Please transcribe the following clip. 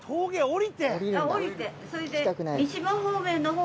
下りてそれで。